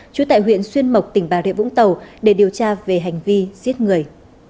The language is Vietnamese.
trú tại huyện xuyên mộc tỉnh bà rịa vũng tàu để điều tra về hành vi giết người